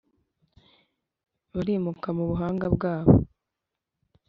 barimuka mu buhanga bwabo.